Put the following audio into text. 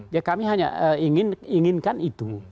ya kami hanya inginkan itu